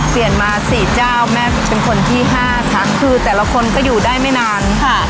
เปลี่ยนมาสี่เจ้าแม่เป็นคนที่ห้าค่ะคือแต่ละคนก็อยู่ได้ไม่นานค่ะ